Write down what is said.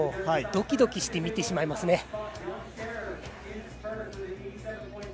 ドキドキして見てしまいますね。